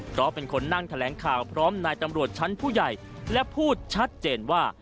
เพราะเป็นคนนั่งแถลงข่าวพร้อมนายตำรวจชั้นผู้ใหญ่และพูดชัดเจนว่า